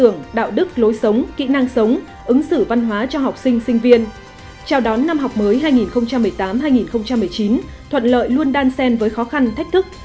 chào đón năm học mới hai nghìn một mươi tám hai nghìn một mươi chín thuận lợi luôn đan sen với khó khăn thách thức